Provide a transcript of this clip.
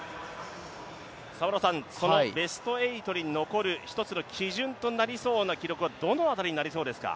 そのベスト８に残る一つの基準となりそうな記録はどの辺りになりそうですか？